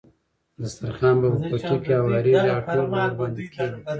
دسترخوان به په پټي کې هوارېږي او ټول به ورباندې کېني.